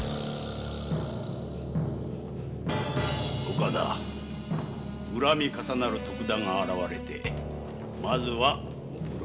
岡田恨み重なる徳田が現れてまずはモクロミどおりだ。